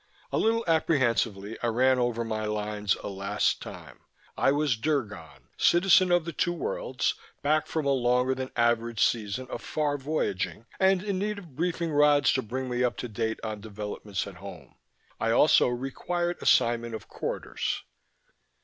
A little apprehensively I ran over my lines a last time: I was Drgon, citizen of the Two Worlds, back from a longer than average season of far voyaging and in need of briefing rods to bring me up to date on developments at home. I also required assignment of quarters.